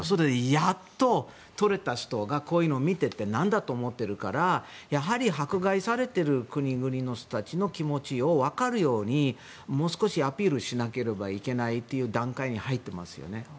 やっと、取れた人がこういうのを見ていて何だと思っているからやはり迫害されている国の人の気持ちを分かるようにもう少しアピールしなければいけないという段階に入っていますね。